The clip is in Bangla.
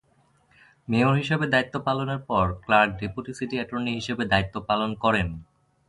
মেয়র হিসেবে দায়িত্ব পালনের পর ক্লার্ক ডেপুটি সিটি অ্যাটর্নি হিসেবে দায়িত্ব পালন করেন।